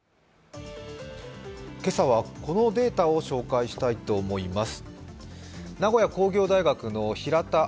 今朝はこのデータを紹介したいと思います。